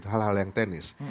hal hal yang teknis